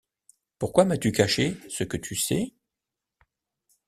Pourquoi m’as-tu caché ce que tu sais?